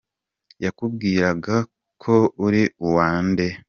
Yakubwiraga ko uri uwa nde ?